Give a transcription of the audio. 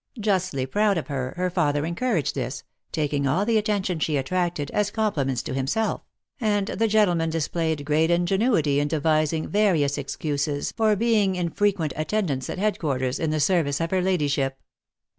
Justly proud of her, her father encouraged this, taking all the attention she attracted as compliments to himself; and the gentlemen displayed great inge nuity in devising various excuses for being in frequent attendance at headquarters, in the service of her lady ship.